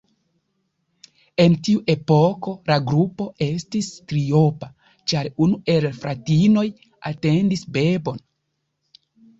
En tiu epoko la grupo estis triopa, ĉar unu el la fratinoj atendis bebon.